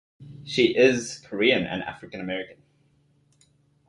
She is Korean and African-American.